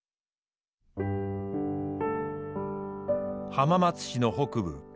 浜松市の北部。